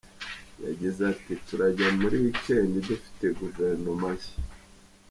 Yagize ati "Turajya muri Wikendi dufite Guverinoma nshya.